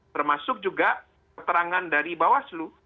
termasuk juga keterangan dari bawaslu